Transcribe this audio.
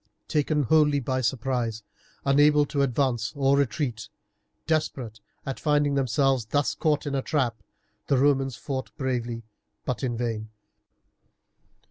Taken wholly by surprise, unable to advance or retreat, desperate at finding themselves thus caught in a trap, the Romans fought bravely but in vain.